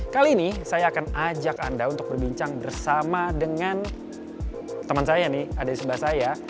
kali ini saya akan ajak anda untuk berbincang bersama dengan teman saya nih ada di sebelah saya